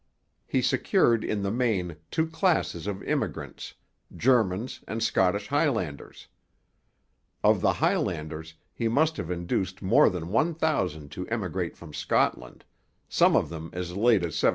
He secured in the main two classes of immigrants, Germans and Scottish Highlanders. Of the Highlanders he must have induced more than one thousand to emigrate from Scotland, some of them as late as 1773.